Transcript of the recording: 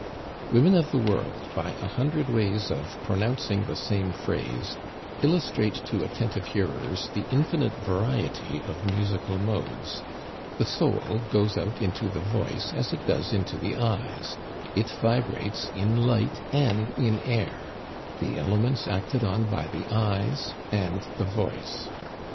Women of the world, by a hundred ways of pronouncing the same phrase, illustrate to attentive hearers the infinite variety of musical modes. The soul goes out into the voice as it does into the eyes; it vibrates in light and in air the elements acted on by the eyes and the voice.